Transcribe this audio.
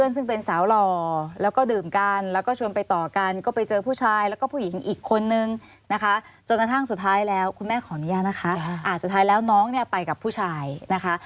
สุดท้ายแล้วน้องเนี่ยไปกับผู้ชายนะคะ